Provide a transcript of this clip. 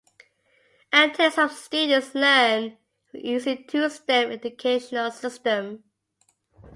And today some students learn using two step educational system.